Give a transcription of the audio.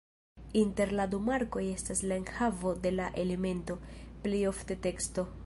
Inter la du markoj estas la enhavo de la elemento, plej ofte teksto.